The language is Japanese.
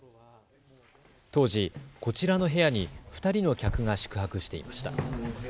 当時、こちらの部屋に２人の客が宿泊していました。